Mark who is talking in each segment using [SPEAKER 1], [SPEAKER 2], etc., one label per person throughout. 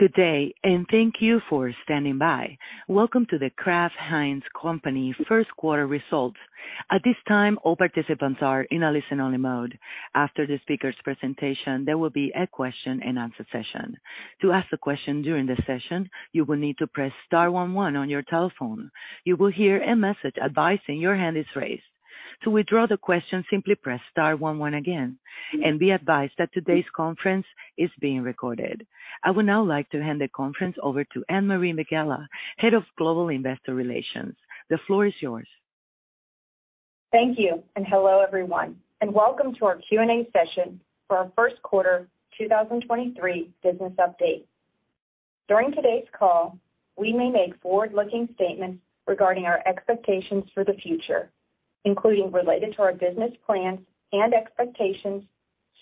[SPEAKER 1] Good day, and thank you for standing by. Welcome to The Kraft Heinz Company First Quarter Results. At this time, all participants are in a listen-only mode. After the speaker's presentation, there will be a question-and-answer session. To ask a question during the session, you will need to press star one one on your telephone. You will hear a message advising your hand is raised. To withdraw the question, simply press star one one again, and be advised that today's conference is being recorded. I would now like to hand the conference over to Anne-Marie Megela, head of Global Investor Relations. The floor is yours.
[SPEAKER 2] Thank you. Hello, everyone, and welcome to our Q&A session for our first quarter 2023 business update. During today's call, we may make forward-looking statements regarding our expectations for the future, including related to our business plans and expectations,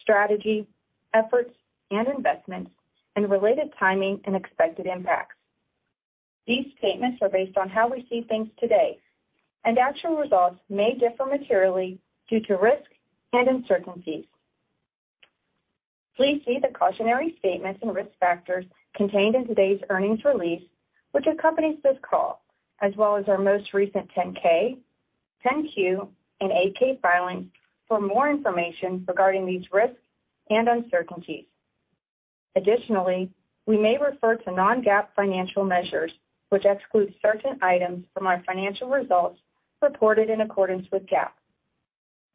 [SPEAKER 2] strategy, efforts and investments, and related timing and expected impacts. These statements are based on how we see things today. Actual results may differ materially due to risks and uncertainties. Please see the cautionary statements and risk factors contained in today's earnings release, which accompanies this call, as well as our most recent 10-K, 10-Q and 8-K filings for more information regarding these risks and uncertainties. Additionally, we may refer to non-GAAP financial measures, which exclude certain items from our financial results reported in accordance with GAAP.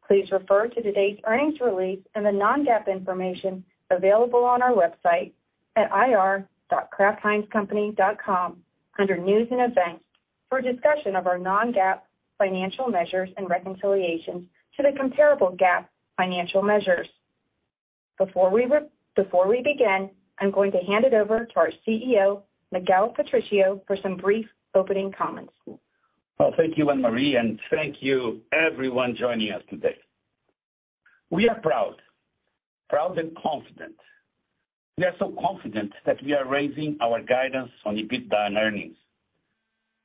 [SPEAKER 2] Please refer to today's earnings release and the non-GAAP information available on our website at ir.kraftheinzcompany.com under News & Events for a discussion of our non-GAAP financial measures and reconciliations to the comparable GAAP financial measures. Before we begin, I'm going to hand it over to our CEO, Miguel Patricio, for some brief opening comments.
[SPEAKER 3] Thank you, Anne-Marie, and thank you everyone joining us today. We are proud and confident. We are so confident that we are raising our guidance on EBITDA and earnings.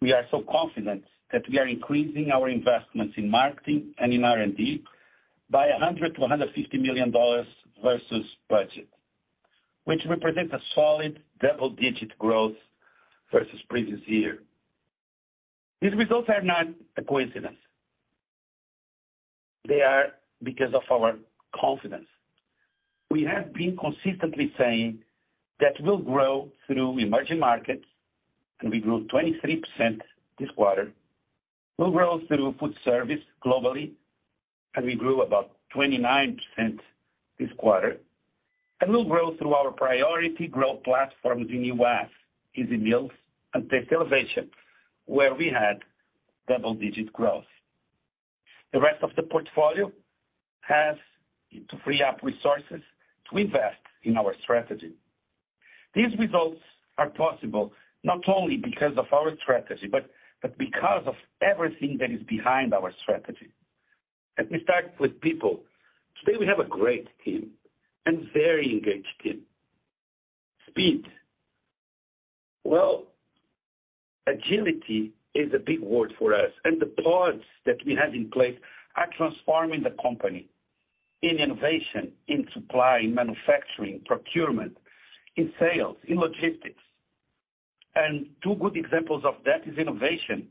[SPEAKER 3] We are so confident that we are increasing our investments in marketing and in R&D by $100 million-$150 million versus budget, which represents a solid double-digit growth versus previous year. These results are not a coincidence. They are because of our confidence. We have been consistently saying that we'll grow through emerging markets, we grew 23% this quarter. We'll grow through food service globally, we grew about 29% this quarter. We'll grow through our priority growth platforms in U.S., Easy Meals and Taste Elevation, where we had double-digit growth. The rest of the portfolio has to free up resources to invest in our strategy. These results are possible not only because of our strategy, but because of everything that is behind our strategy. Let me start with people. Today, we have a great team and very engaged team. Speed. Well, agility is a big word for us, and the pods that we have in place are transforming the company in innovation, in supply, in manufacturing, procurement, in sales, in logistics. Two good examples of that is innovation,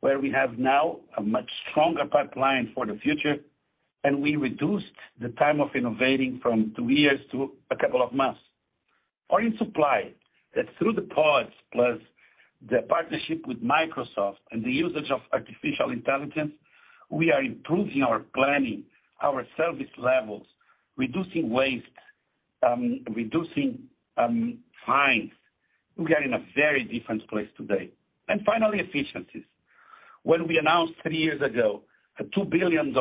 [SPEAKER 3] where we have now a much stronger pipeline for the future, and we reduced the time of innovating from two years to a couple of months. In supply, that through the pods plus the partnership with Microsoft and the usage of artificial intelligence, we are improving our planning, our service levels, reducing waste, reducing fines. We are in a very different place today. Finally, efficiencies. When we announced three years ago a $2 billion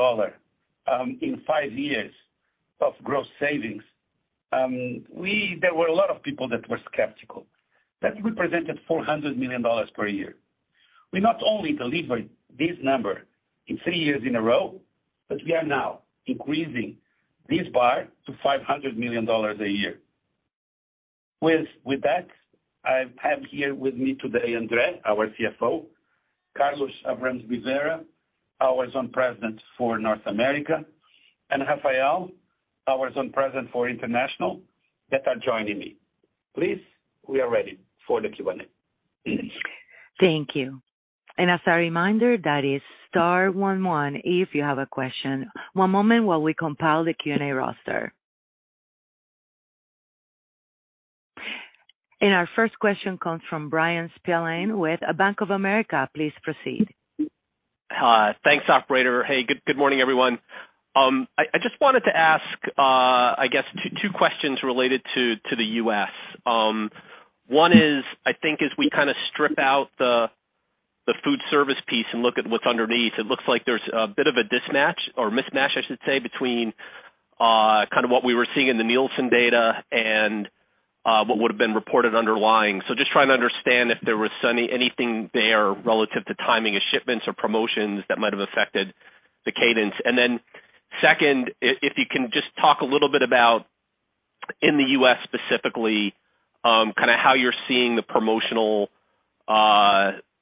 [SPEAKER 3] in five years of gross savings, there were a lot of people that were skeptical. That represented $400 million per year. We not only delivered this number in three years in a row, but we are now increasing this bar to $500 million a year. With that, I have here with me today Andre, our CFO, Carlos Abrams-Rivera, our Zone President for North America, and Rafael, our Zone President for international, that are joining me. Please, we are ready for the Q&A.
[SPEAKER 1] Thank you. As a reminder, that is star one one if you have a question. One moment while we compile the Q&A roster. Our first question comes from Bryan Spillane with Bank of America. Please proceed.
[SPEAKER 4] Thanks, operator. Hey, good morning, everyone. I just wanted to ask, I guess two questions related to the U.S. One is, I think as we kind of strip out the food service piece and look at what's underneath, it looks like there's a bit of a dismatch or mismatch, I should say, between kind of what we were seeing in the Nielsen data and what would have been reported underlying. Just trying to understand if there was anything there relative to timing of shipments or promotions that might have affected the cadence. Second, if you can just talk a little bit about, in the U.S. specifically, kind of how you're seeing the promotional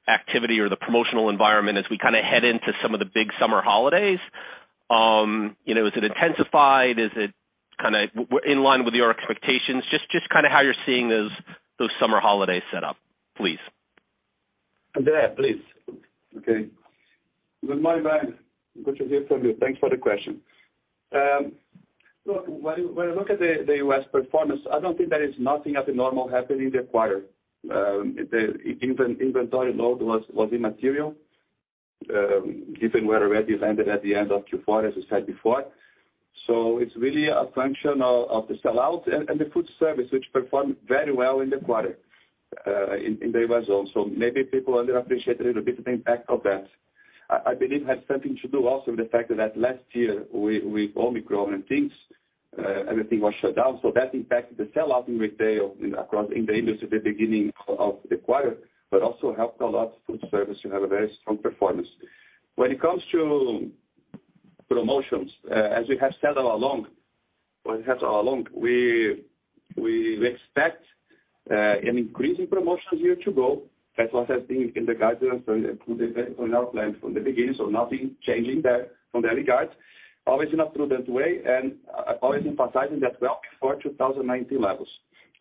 [SPEAKER 4] activity or the promotional environment as we kind of head into some of the big summer holidays. You know, is it intensified? Is it kind of in line with your expectations? Just kind of how you're seeing those summer holidays set up, please.
[SPEAKER 3] Andre, please.
[SPEAKER 5] Good morning, Bryan. Good to hear from you. Thanks for the question. Look, when I look at the U.S. performance, I don't think there is nothing abnormal happening in the quarter. The inventory load was immaterial, given we're already landed at the end of Q4, as I said before. It's really a function of the sell out and the food service, which performed very well in the quarter in the U.S. zone. Maybe people underappreciate a little bit of impact of that. I believe it has something to do also with the fact that last year we with Omicron and things, everything was shut down. That impacted the sell out in retail in the industry at the beginning of the quarter, but also helped a lot food service to have a very strong performance. When it comes to promotions, as we have said all along, what we have said all along, we expect an increase in promotions year to go. That's what has been in the guidance included on our plan from the beginning, so nothing changing there from that regard. Always in a prudent way and always emphasizing that we are before 2019 levels.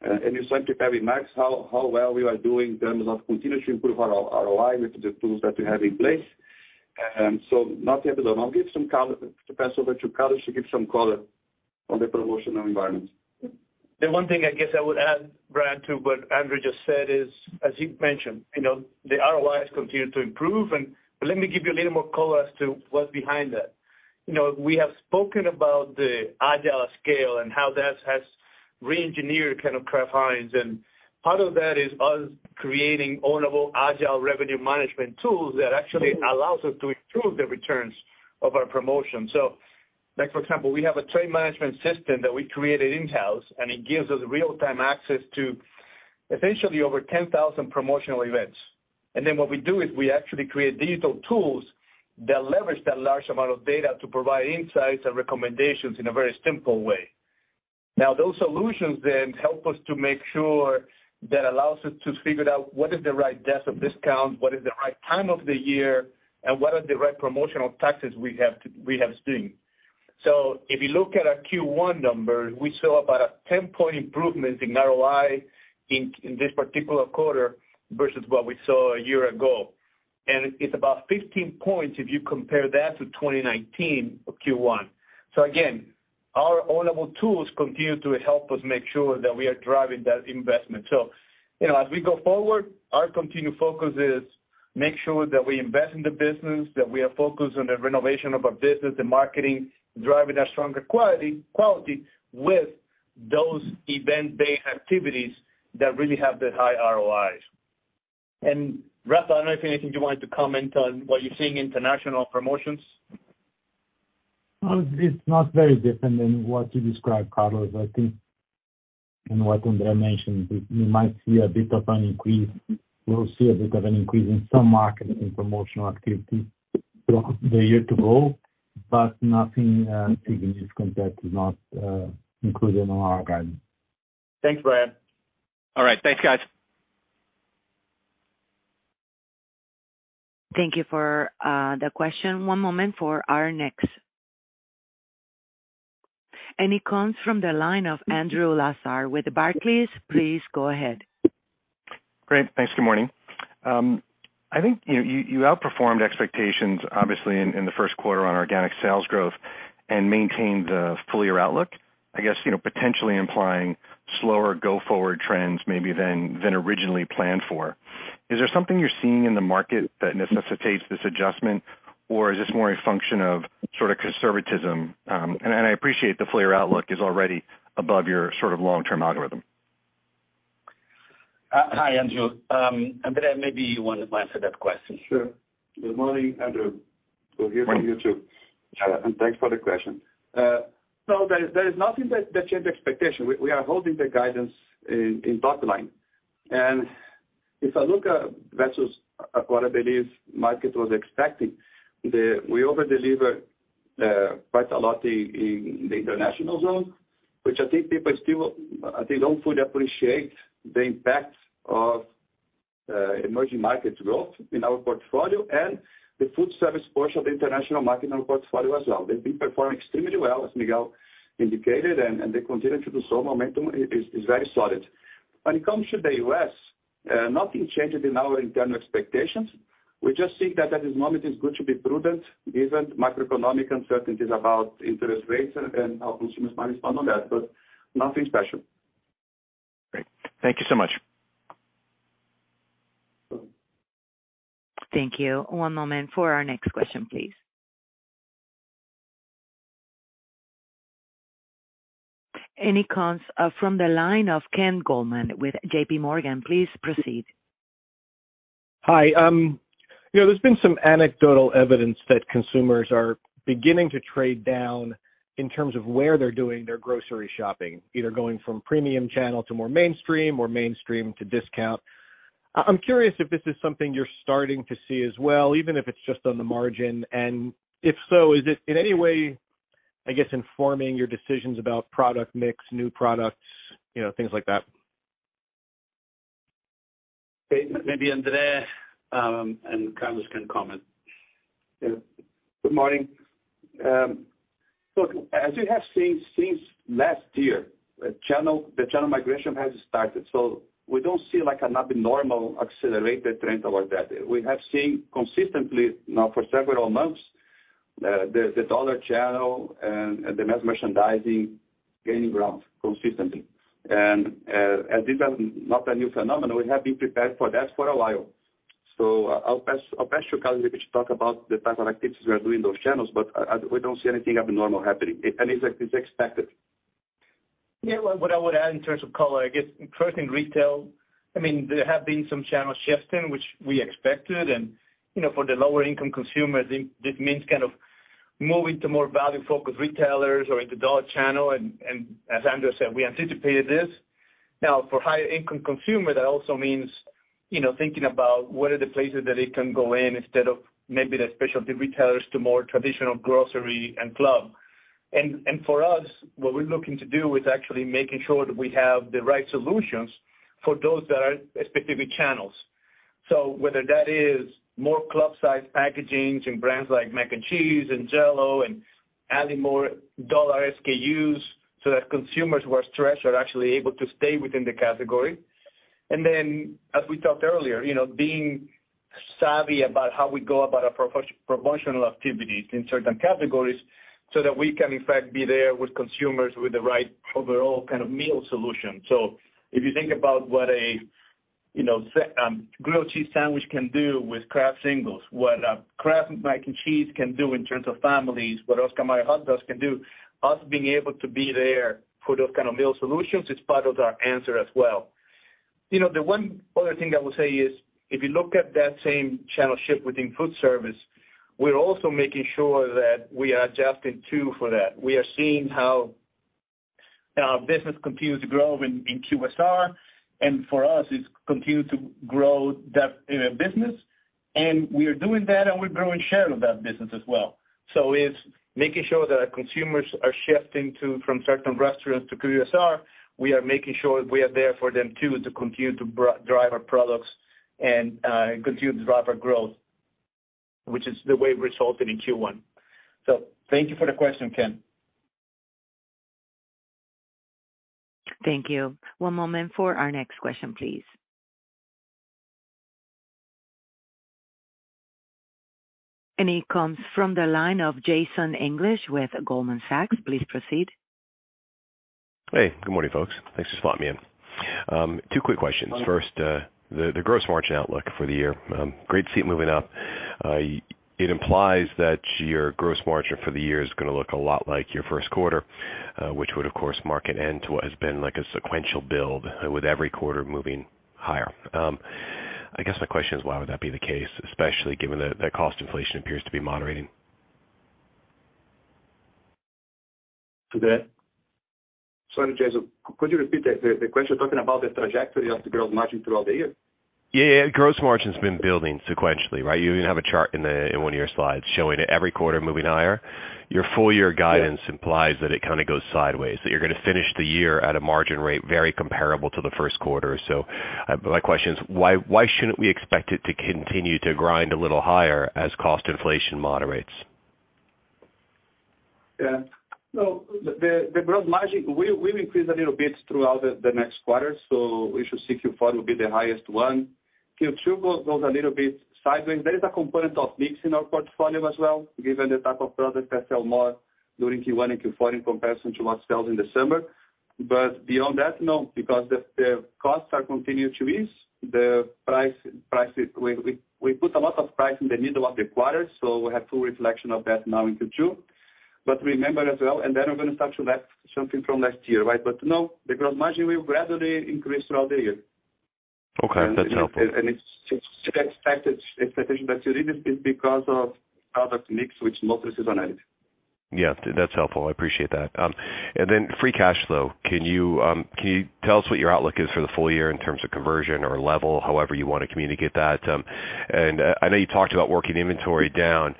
[SPEAKER 5] You saw with Kevin, Max, how well we are doing in terms of continuing to improve our ROI with the tools that we have in place. Nothing to do. I'll give some color, to pass over to Carlos to give some color on the promotional environment.
[SPEAKER 6] The one thing I guess I would add, Bryan, to what Andre just said is, as you mentioned, you know, the ROIs continue to improve. Let me give you a little more color as to what's behind that. You know, we have spoken about the Agile@Scale and how that has reengineered kind of Kraft Heinz. Part of that is us creating ownable agile revenue management tools that actually allows us to improve the returns of our promotion. Like for example, we have a trade management system that we created in-house, and it gives us real-time access to essentially over 10,000 promotional events. Then what we do is we actually create digital tools that leverage that large amount of data to provide insights and recommendations in a very simple way. Those solutions then help us to make sure that allows us to figure out what is the right depth of discount, what is the right time of the year, and what are the right promotional tactics we have seen. If you look at our Q1 numbers, we saw about a 10 point improvement in ROI in this particular quarter versus what we saw a year ago. It's about 15 points if you compare that to 2019 of Q1. Again, our ownable tools continue to help us make sure that we are driving that investment. You know, as we go forward, our continued focus is make sure that we invest in the business, that we are focused on the renovation of our business, the marketing, driving a stronger quality with those event-based activities that really have the high ROIs.
[SPEAKER 3] Rafa, I don't know if anything you wanted to comment on what you're seeing international promotions.
[SPEAKER 7] Well, it's not very different than what you described, Carlos. I think, you know, what Andre mentioned, we might see a bit of an increase. We'll see a bit of an increase in some market and promotional activity through the year to go, but nothing significant that is not included in our guidance.
[SPEAKER 3] Thanks, Bryan.
[SPEAKER 4] All right. Thanks, guys.
[SPEAKER 1] Thank you for the question. One moment for our next. It comes from the line of Andrew Lazar with Barclays. Please go ahead.
[SPEAKER 8] Great. Thanks. Good morning. I think, you outperformed expectations, obviously, in the first quarter on organic sales growth and maintained the full-year outlook, I guess, you know, potentially implying slower go forward trends maybe than originally planned for. Is there something you're seeing in the market that necessitates this adjustment? Or is this more a function of sort of conservatism? I appreciate the full-year outlook is already above your sort of long-term algorithm.
[SPEAKER 3] Hi, Andrew. Andre, maybe you want to answer that question.
[SPEAKER 5] Sure. Good morning, Andrew. Hear from you, too. Thanks for the question. There is nothing that changed expectation. We are holding the guidance in bottom line. If I look at versus what I believe market was expecting, we over-deliver, quite a lot in the international zone, which I think people still, they don't fully appreciate the impact of emerging market growth in our portfolio and the food service portion of the international market in our portfolio as well. They've been performing extremely well, as Miguel indicated, and they continue to do so. Momentum is very solid. When it comes to the U.S., nothing changed in our internal expectations. We just think that at this moment it's good to be prudent given macroeconomic uncertainties about interest rates and how consumers might respond on that, but nothing special.
[SPEAKER 8] Great. Thank you so much.
[SPEAKER 1] Thank you. One moment for our next question, please. It comes from the line of Ken Goldman with JPMorgan. Please proceed.
[SPEAKER 9] Hi. you know, there's been some anecdotal evidence that consumers are beginning to trade down in terms of where they're doing their grocery shopping, either going from premium channel to more mainstream or mainstream to discount. I'm curious if this is something you're starting to see as well, even if it's just on the margin. If so, is it in any wayI guess, informing your decisions about product mix, new products, you know, things like that?
[SPEAKER 3] Maybe Andre and Carlos can comment.
[SPEAKER 5] Good morning. Look, as you have seen since last year, the channel migration has started. We don't see like an abnormal accelerated trend or that. We have seen consistently now for several months, the dollar channel and the mass merchandising gaining ground consistently. As this is not a new phenomenon, we have been prepared for that for a while. I'll pass to Carlos, if he could talk about the type of activities we are doing those channels, but we don't see anything abnormal happening, and it's expected.
[SPEAKER 6] Yeah. What I would add in terms of color, I guess first in retail, I mean, there have been some channel shifting, which we expected. You know, for the lower income consumers, it means kind of moving to more value-focused retailers or into dollar channel. As Andre said, we anticipated this. Now for higher income consumer, that also means, you know, thinking about what are the places that they can go in instead of maybe the specialty retailers to more traditional grocery and club. For us, what we're looking to do is actually making sure that we have the right solutions for those that are specific channels. So whether that is more club-sized packagings and brands like Mac & Cheese and Jell-O and adding more dollar SKUs so that consumers who are stressed are actually able to stay within the category. As we talked earlier, you know, being savvy about how we go about our promotional activities in certain categories so that we can in fact be there with consumers with the right overall kind of meal solution. If you think about what a, you know, grilled cheese sandwich can do with Kraft Singles, what a Kraft Mac & Cheese can do in terms of families, what Oscar Mayer lunch can do, us being able to be there for those kind of meal solutions is part of our answer as well. The one other thing I will say is, if you look at that same channel shift within food service, we're also making sure that we are adjusting too for that. We are seeing how business continues to grow in QSR, and for us it's continued to grow that, you know, business. We are doing that, and we're growing share of that business as well. It's making sure that our consumers are shifting to, from certain restaurants to QSR. We are making sure we are there for them too to continue to drive our products and continue to drive our growth, which is the way resulted in Q1. Thank you for the question, Ken.
[SPEAKER 1] Thank you. One moment for our next question, please. It comes from the line of Jason English with Goldman Sachs. Please proceed.
[SPEAKER 10] Hey, good morning, folks. Thanks for spotting me in. Two quick questions. First, the gross margin outlook for the year, great to see it moving up. It implies that your gross margin for the year is gonna look a lot like your first quarter, which would of course mark an end to what has been like a sequential build with every quarter moving higher. I guess my question is, why would that be the case, especially given that the cost inflation appears to be moderating?
[SPEAKER 5] To that? Sorry, Jason, could you repeat the question talking about the trajectory of the gross margin throughout the year?
[SPEAKER 10] Yeah. Gross margin's been building sequentially, right? You even have a chart in the, in one of your slides showing it every quarter moving higher. Your full year guidance implies that it kind of goes sideways, that you're gonna finish the year at a margin rate very comparable to the first quarter. My question is why shouldn't we expect it to continue to grind a little higher as cost inflation moderates?
[SPEAKER 5] No, the gross margin will increase a little bit throughout the next quarter. We should see Q4 will be the highest one. Q2 goes a little bit sideways. There is a component of mixing our portfolio as well, given the type of products that sell more during Q1 and Q4 in comparison to what sells in December. Beyond that, no, because the costs are continued to ease, the price is, we put a lot of price in the middle of the quarter, so we have full reflection of that now into June. Remember as well, and then I'm gonna talk to that something from last year, right? No, the gross margin will gradually increase throughout the year.
[SPEAKER 10] Okay. That's helpful.
[SPEAKER 5] It's the expected expectation that you read is because of product mix, which notices on anything.
[SPEAKER 10] Yeah. That's helpful. I appreciate that. Then free cash flow. Can you tell us what your outlook is for the full year in terms of conversion or level, however you want to communicate that? I know you talked about working inventory down.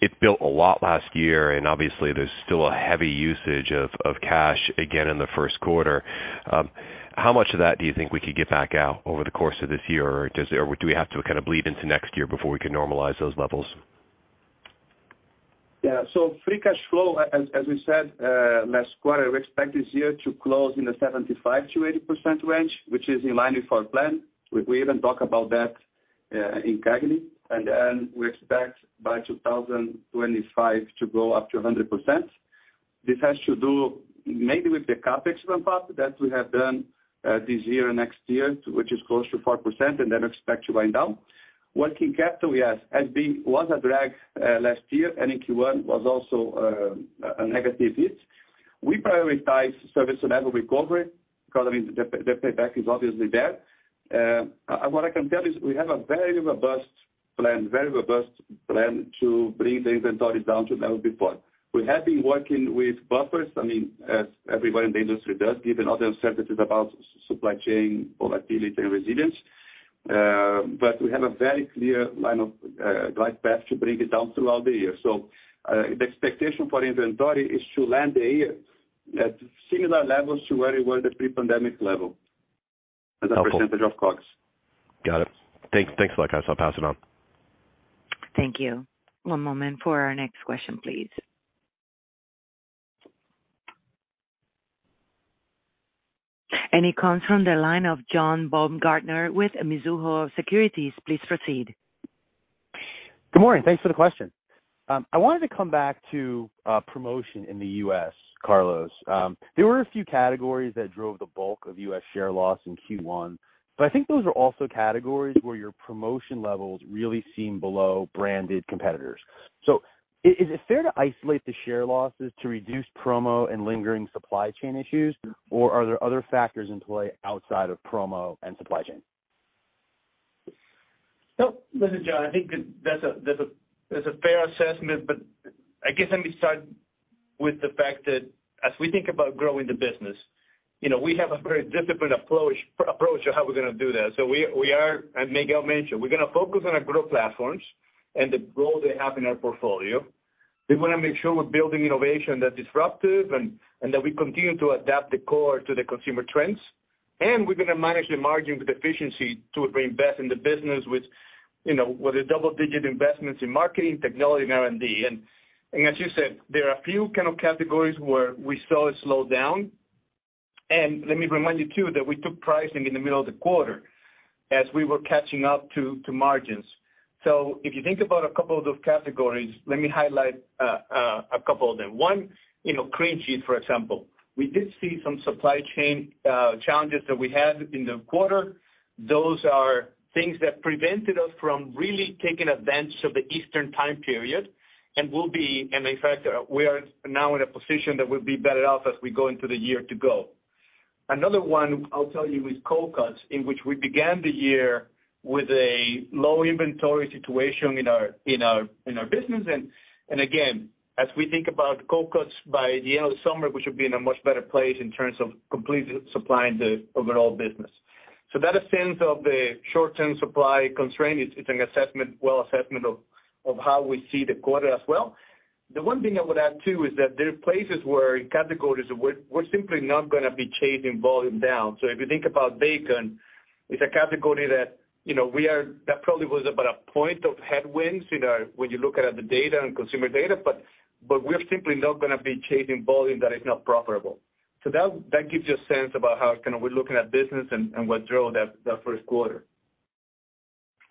[SPEAKER 10] It built a lot last year, and obviously there's still a heavy usage of cash again in the first quarter. How much of that do you think we could get back out over the course of this year? Or do we have to kind of bleed into next year before we can normalize those levels?
[SPEAKER 5] Yeah. Free cash flow, as we said, last quarter, we expect this year to close in the 75%-80% range, which is in line with our plan. We even talk about that in CAGNY. We expect by 2025 to go up to 100%. This has to do maybe with the CapEx ramp up that we have done this year and next year, which is close to 4% and then expect to wind down. Working capital, yes, was a drag last year, and in Q1 was also a negative hit. We prioritize service level recovery because, I mean, the payback is obviously there. What I can tell you is we have a very robust plan to bring the inventory down to level before. We have been working with buffers, I mean, as everybody in the industry does, given all the uncertainties about supply chain volatility and resilience. We have a very clear line of drive path to bring it down throughout the year. The expectation for inventory is to land the year at similar levels to where it was the pre-pandemic level as a percentage of COGS.
[SPEAKER 10] Got it. Thanks, Jason. I'll pass it on.
[SPEAKER 1] Thank you. One moment for our next question, please. It comes from the line of John Baumgartner with Mizuho Securities. Please proceed.
[SPEAKER 11] Good morning. Thanks for the question. I wanted to come back to promotion in the U.S., Carlos. There were a few categories that drove the bulk of U.S. share loss in Q1. I think those are also categories where your promotion levels really seem below branded competitors. Is it fair to isolate the share losses to reduce promo and lingering supply chain issues, or are there other factors in play outside of promo and supply chain?
[SPEAKER 6] Listen, John, I think that's a fair assessment, but I guess let me start with the fact that as we think about growing the business, you know, we have a very disciplined approach of how we're gonna do that. We are, and Miguel mentioned, we're gonna focus on our growth platforms and the growth they have in our portfolio. We wanna make sure we're building innovation that's disruptive and that we continue to adapt the core to the consumer trends. We're gonna manage the margin with efficiency to reinvest in the business with, you know, with the double-digit investments in marketing, technology and R&D. As you said, there are a few kind of categories where we saw a slowdown. Let me remind you too that we took pricing in the middle of the quarter as we were catching up to margins. If you think about a couple of those categories, let me highlight a couple of them. One, you know, cream cheese, for example. We did see some supply chain challenges that we had in the quarter. Those are things that prevented us from really taking advantage of the Eastern Time period. In fact, we are now in a position that we'll be better off as we go into the year to go. Another one I'll tell you is cold cuts, in which we began the year with a low inventory situation in our business. Again, as we think about cold cuts by the end of the summer, we should be in a much better place in terms of complete supply in the overall business. That a sense of the short-term supply constraint is an assessment, well assessment of how we see the quarter as well. The one thing I would add, too, is that there are places where in categories we're simply not gonna be chasing volume down. If you think about bacon, it's a category that, you know, that probably was about a point of headwinds, you know, when you look at the data and consumer data, but we're simply not gonna be chasing volume that is not profitable. That gives you a sense about how kind of we're looking at business and what drove that first quarter.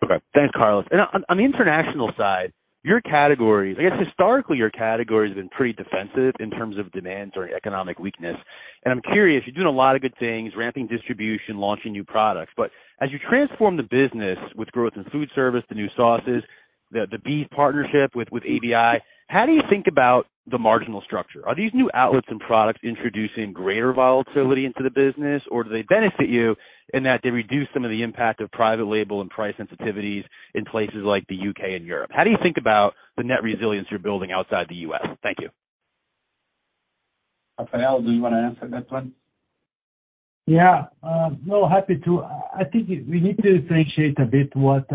[SPEAKER 11] Okay. Thanks, Carlos. On the international side, your categories, I guess historically your categories have been pretty defensive in terms of demand during economic weakness. I'm curious, you're doing a lot of good things, ramping distribution, launching new products. As you transform the business with growth in food service, the new sauces, the beef partnership with ABI, how do you think about the marginal structure? Are these new outlets and products introducing greater volatility into the business, or do they benefit you in that they reduce some of the impact of private label and price sensitivities in places like the U.K. and Europe? How do you think about the net resilience you're building outside the U.S.? Thank you.
[SPEAKER 6] Rafael, do you wanna answer that one?
[SPEAKER 7] Yeah. No, happy to. I think we need to differentiate a bit what,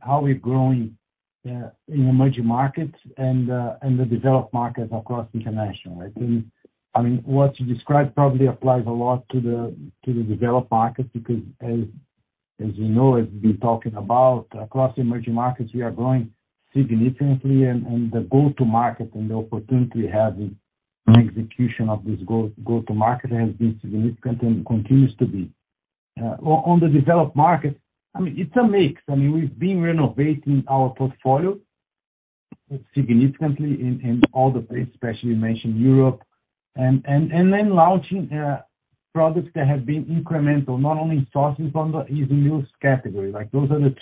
[SPEAKER 7] how we're growing, in emerging markets and the developed markets across international. I think, I mean, what you described probably applies a lot to the, to the developed markets because as you know, as we've been talking about across emerging markets, we are growing significantly and the go-to-market and the opportunity we have in execution of this go-to-market has been significant and continues to be. On the developed market, I mean, it's a mix. I mean, we've been renovating our portfolio significantly in all the places, especially you mentioned Europe. Then launching products that have been incremental, not only in sauces but in the easy use category.
[SPEAKER 5] Like, those are the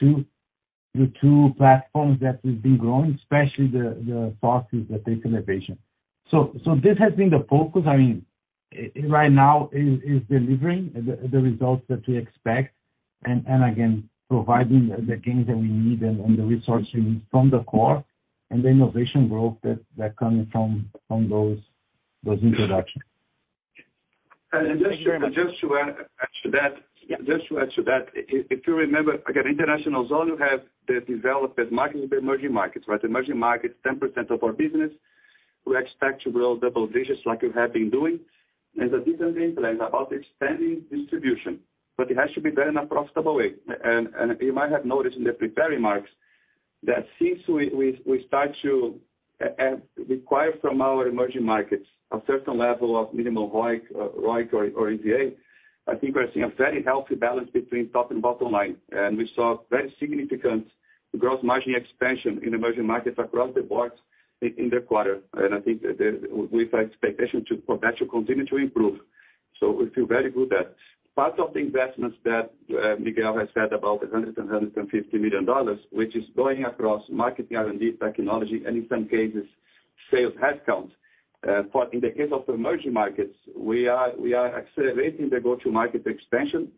[SPEAKER 5] two platforms that we've been growing, especially the sauces that take innovation. This has been the focus. I mean, right now is delivering the results that we expect. Again, providing the gains that we need and the resourcing from the core and the innovation growth that comes from those introductions.
[SPEAKER 6] Just to add to that. Just to add to that. If you remember, again, international zone, you have the developed markets, the emerging markets, right? Emerging markets, 10% of our business. We expect to grow double digits like we have been doing. There's a different implant about expanding distribution, but it has to be done in a profitable way. You might have noticed in the prepared remarks that since we start to require from our emerging markets a certain level of minimum ROIC or EVA, I think we're seeing a very healthy balance between top and bottom line. We saw very significant gross margin expansion in emerging markets across the board in the quarter. I think we have expectation for that to continue to improve. We feel very good that part of the investments that Miguel has said about the $150 million, which is going across marketing, R&D, technology and in some cases, sales headcount. In the case of emerging markets, we are accelerating the go-to-market expansion.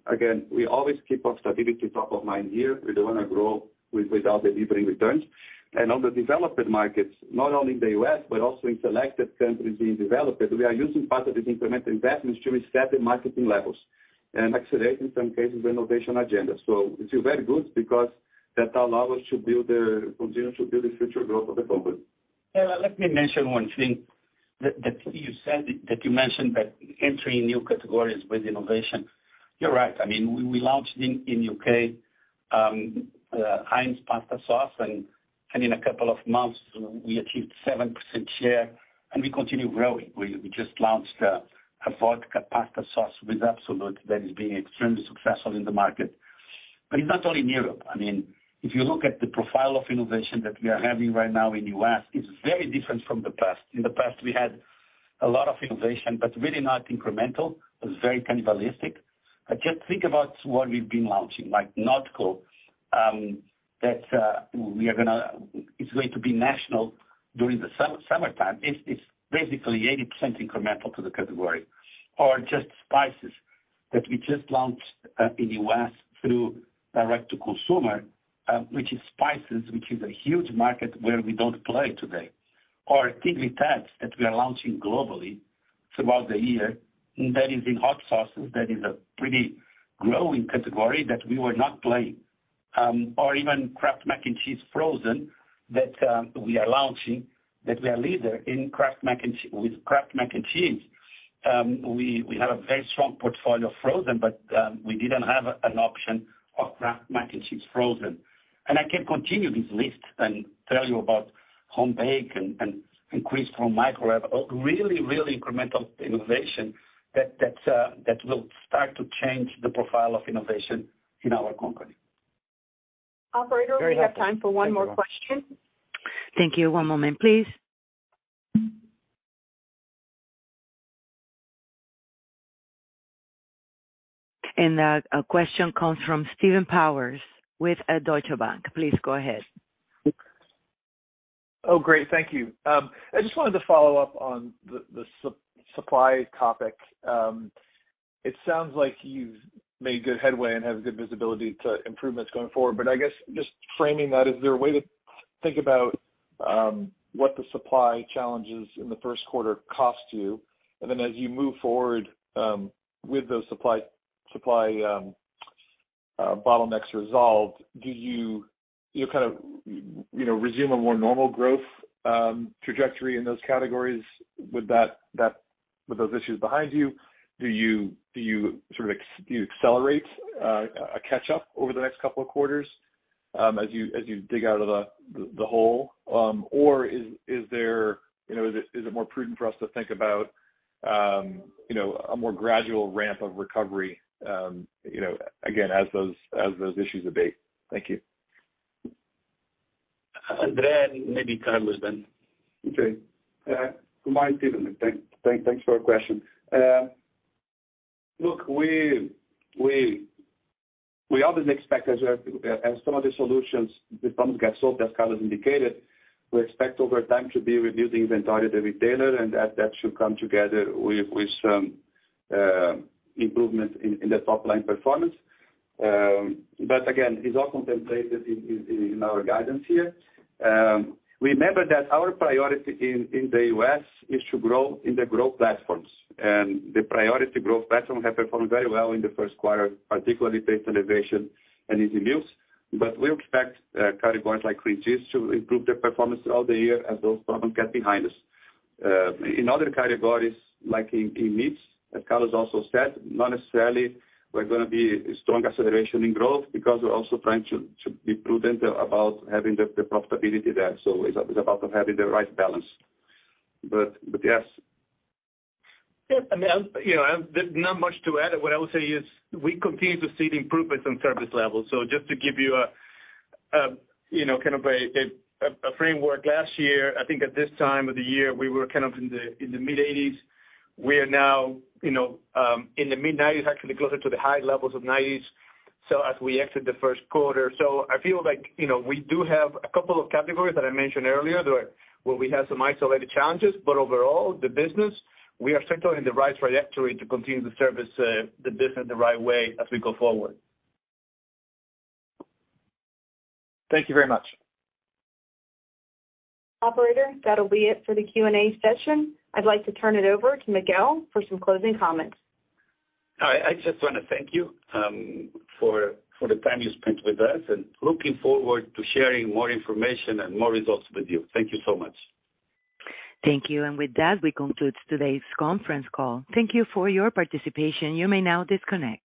[SPEAKER 6] We always keep our stability top of mind here. We don't wanna grow without delivering returns. On the developed markets, not only in the U.S., but also in selected countries being developed, we are using part of these incremental investments to reset the marketing levels and accelerate, in some cases, the innovation agenda. We feel very good because that allow us to continue to build the future growth of the company.
[SPEAKER 3] [Ella], let me mention one thing that you said that you mentioned that entering new categories with innovation. You're right. I mean, we launched in U.K., Heinz Pasta Sauces and in a couple of months we achieved 7% share and we continue growing. We just launched a vodka pasta sauce with Absolut that is being extremely successful in the market. It's not only in Europe. I mean, if you look at the profile of innovation that we are having right now in U.S., it's very different from the past. In the past, we had a lot of innovation, but really not incremental. It was very cannibalistic. Just think about what we've been launching, like Nautical, that it's going to be national during the summertime. It's basically 80% incremental to the category. Just Spices that we just launched in U.S. through direct to consumer, which is spices, which is a huge market where we don't play today. Tingly Ted's that we are launching globally throughout the year, that is in hot sauces. That is a pretty growing category that we were not playing. Even KRAFT Mac & Cheese Frozen that we are launching, that we are leader with KRAFT Mac & Cheese. We have a very strong portfolio of frozen, but we didn't have an option of KRAFT Mac & Cheese Frozen. I can continue this list and tell you about HOMEBAKE and increased home microwave. A really, real incremental innovation that will start to change the profile of innovation in our company.
[SPEAKER 2] Operator, we have time for one more question.
[SPEAKER 1] Thank you. One moment, please. A question comes from Stephen Powers with Deutsche Bank. Please go ahead.
[SPEAKER 12] Great. Thank you. I just wanted to follow up on the supply topic. It sounds like you've made good headway and have good visibility to improvements going forward. I guess just framing that, is there a way to think about what the supply challenges in the first quarter cost you? As you move forward, with those supply bottlenecks resolved, do you kind of, you know, resume a more normal growth trajectory in those categories? With those issues behind you, do you sort of accelerate catch up over the next couple of quarters, as you dig out of the hole? Is there, you know, is it more prudent for us to think about, you know, a more gradual ramp of recovery, you know, again, as those issues abate? Thank you.
[SPEAKER 3] Andre, maybe Carlos then.
[SPEAKER 5] Okay. good morning, Stephen. Thanks for your question. look, we obviously expect as some of the solutions, the problems get solved, as Carlos indicated, we expect over time to be reducing inventory to retailer, and that should come together with some improvements in the top line performance. again, it's all contemplated in our guidance here. remember that our priority in the U.S. is to grow in the growth platforms. The priority growth platform have performed very well in the first quarter, particularly Taste Elevation and Easy Meals. We expect categories like reduced to improve their performance throughout the year as those problems get behind us. In other categories, like in meats, as Carlos also said, not necessarily we're gonna be strong acceleration in growth because we're also trying to be prudent about having the profitability there. It's about having the right balance. Yes.
[SPEAKER 3] I mean, you know, there's not much to add. What I would say is we continue to see the improvements in service levels. Just to give you a, you know, kind of a framework. Last year, I think at this time of the year, we were kind of in the mid-80s. We are now, you know, in the mid-90s, actually closer to the high levels of 90s as we exit the first quarter. I feel like, you know, we do have a couple of categories that I mentioned earlier, where we have some isolated challenges, but overall, the business, we are certainly in the right trajectory to continue to service the business the right way as we go forward.
[SPEAKER 12] Thank you very much.
[SPEAKER 2] Operator, that'll be it for the Q&A session. I'd like to turn it over to Miguel for some closing comments.
[SPEAKER 3] All right. I just wanna thank you, for the time you spent with us. Looking forward to sharing more information and more results with you. Thank you so much.
[SPEAKER 1] Thank you. With that, we conclude today's conference call. Thank you for your participation. You may now disconnect.